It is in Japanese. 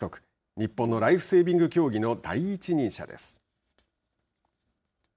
日本のライフセービング競技の第一人者です。